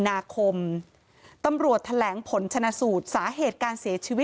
ในวันพบนั้นจะน่าสูญใจ